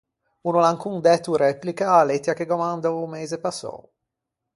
O no l’à ancon dæto replica a-a lettia che gh’ò mandou o meise passou.